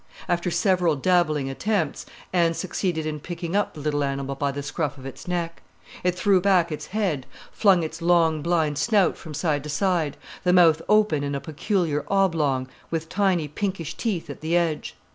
After several dabbling attempts, Anne succeeded in picking up the little animal by the scruff of its neck. It threw back its head, flung its long blind snout from side to side, the mouth open in a peculiar oblong, with tiny pinkish teeth at the edge.